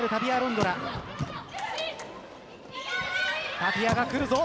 タピアが来るぞ。